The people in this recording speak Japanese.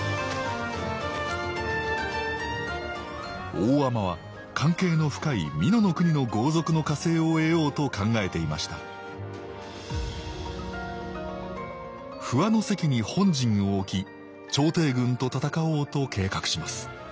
大海人は関係の深い美濃国の豪族の加勢を得ようと考えていました不破関に本陣を置き朝廷軍と戦おうと計画します。